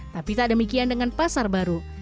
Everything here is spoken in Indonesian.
tapi tak demikian dengan pasar baru